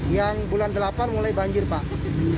yang bulan delapan mulai banjir pak